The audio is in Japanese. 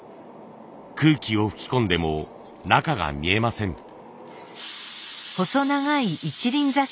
空気を吹き込んでも中が見えません。